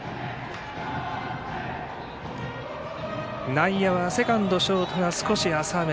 内野はセカンド、ショートが少し浅め。